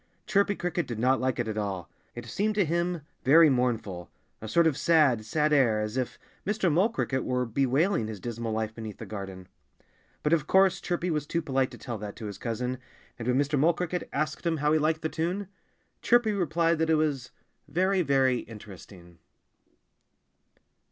Chirpy Cricket did not like it at all. It seemed to him very mournful, a sort of sad, sad air, as if Mr. Mole Cricket were bewailing his dismal life beneath the garden. But of course Chirpy was too polite to tell that to his cousin. And when Mr. Mole Cricket asked him how he liked the tune, Chirpy replied that it was very, very interesting.